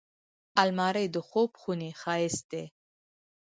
الماري د خوب خونې ښايست دی